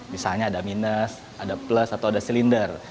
misalnya ada minus ada plus atau ada silinder